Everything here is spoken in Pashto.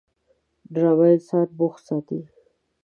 ډرامه انسان بوخت ساتي